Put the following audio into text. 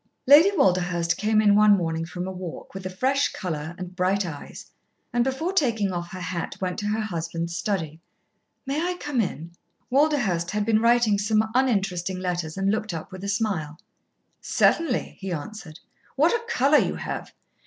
Lady Walderhurst came in one morning from a walk, with a fresh colour and bright eyes, and before taking off her hat went to her husband's study. "May I come in?" Walderhurst had been writing some uninteresting letters and looked up with a smile. "Certainly," he answered. "What a colour you have!